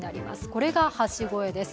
これが橋越えです。